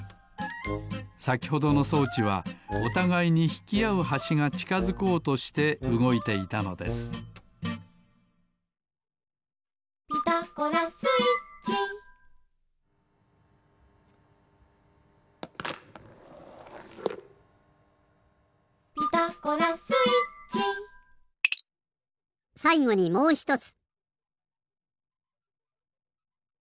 さきほどの装置はおたがいにひきあうはしがちかづこうとしてうごいていたのです「ピタゴラスイッチ」「ピタゴラスイッチ」さいごにもうひとつ。